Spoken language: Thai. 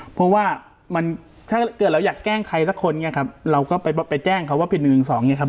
เพราะว่ามันถ้าเกิดเราอยากแกล้งใครสักคนเนี่ยครับเราก็ไปแจ้งเขาว่าผิด๑๑๒เนี่ยครับ